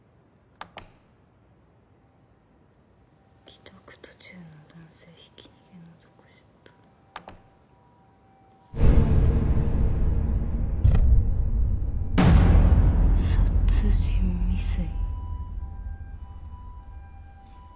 「帰宅途中の男性ひき逃げの男出頭」「殺人未遂」。